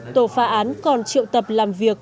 tổ phá án còn triệu tập làm việc